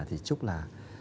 thì chúc là